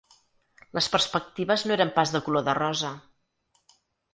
Les perspectives no eren pas de color de rosa